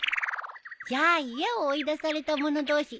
じゃあ家を追い出された者同士